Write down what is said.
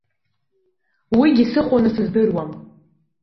Уигьы сыхәоны сыздыруам.